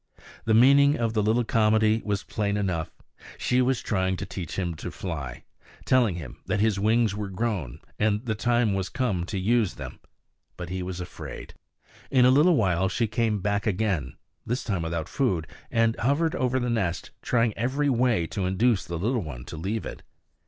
The meaning of the little comedy was plain enough. She was trying to teach him to fly, telling him that his wings were grown and the time was come to use them; but he was afraid. In a little while she came back again, this time without food, and hovered over the nest, trying every way to induce the little one to leave it.